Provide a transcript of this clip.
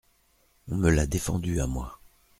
On me l’a défendu, à moi !